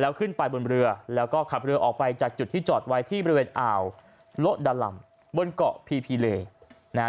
แล้วขึ้นไปบนเรือแล้วก็ขับเรือออกไปจากจุดที่จอดไว้ที่บริเวณอ่าวโละดาลำบนเกาะพีพีเลนะฮะ